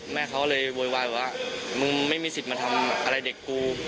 แม่เขาเลยโวยวายว่ามึงไม่มีสิทธิ์มาทำอะไรเด็กกู